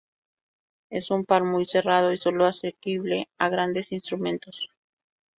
Es un par muy cerrado y sólo asequible a grandes instrumentos.